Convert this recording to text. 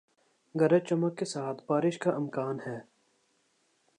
گرج چمک کے ساتھ بارش کا امکان ہے